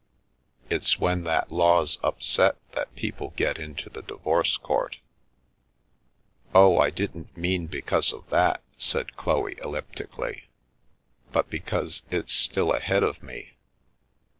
It's when that law's upset, that people get into the divorce court !"" Oh, I didn't mean because of that," said Chloe el liptically, "but because it's still ahead of me.